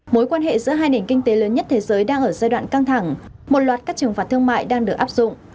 mối quan hệ giữa hai nền kinh tế lớn nhất thế giới đang ở giai đoạn căng thẳng một loạt các trừng phạt thương mại đang được áp dụng